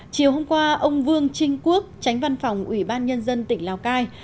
chiều hôm qua ông vương trinh quốc tránh văn phòng ủy ban nhân dân tỉnh lào cai